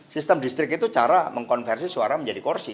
sistem distrik itu cara mengkonversi suara menjadi kursi